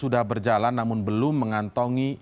dan periksa semuanya lagi